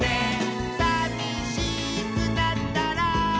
「さみしくなったら」